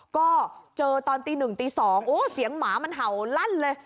ก็เจอตอนตีหนึ่งตีสองโอ้โหเสียงหมามันเห่าลั่นเลย